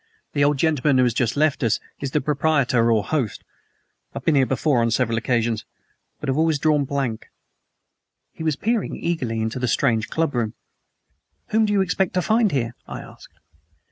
"The old gentleman who has just left us is the proprietor or host. I have been here before on several occasions, but have always drawn blank." He was peering out eagerly into the strange clubroom. "Whom do you expect to find here?" I asked.